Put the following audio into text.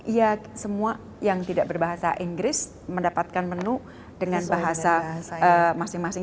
ya semua yang tidak berbahasa inggris mendapatkan menu dengan bahasa masing masing